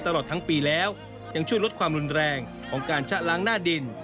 ตลอดทั้งปีแล้วยังช่วยลดความรุนแรงของการชะล้างหน้าดิน